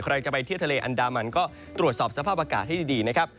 ใครจะไปเที่ยวทะเลอันดามันก็ตรวจสอบสภาพอากาศให้ดีนะครับ